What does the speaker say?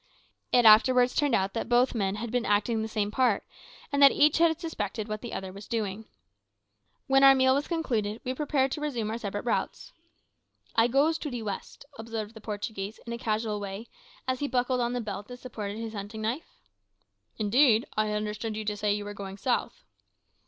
It afterwards turned out that both men had been acting the same part, and that each had suspected what the other was doing. When our meal was concluded we prepared to resume our separate routes. "I goes to de west," observed the Portuguese, in a casual way, as he buckled on the belt that supported his hunting knife. "Indeed! I had understood you to say that you were going south."